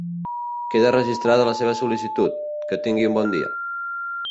Queda registrada la seva sol·licitud, que tingui un bon dia.